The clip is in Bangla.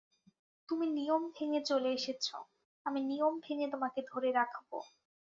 তুমি নিয়ম ভেঙে চলে এসেছ, আমি নিয়ম ভেঙে তোমাকে ধরে রাখব।